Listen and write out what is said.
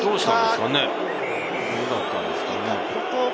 何があったんですかね？